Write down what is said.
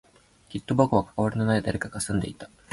きっと僕と関わりのない誰かが住んでいた